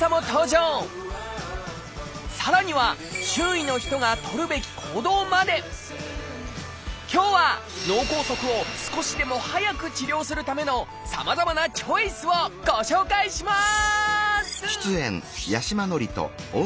さらには今日は脳梗塞を少しでも早く治療するためのさまざまなチョイスをご紹介します！